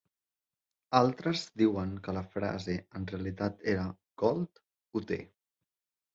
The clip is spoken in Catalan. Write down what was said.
Altres diuen que la frase en realitat era "Gold ho té".